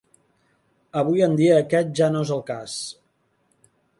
Avui en dia aquest ja no és el cas.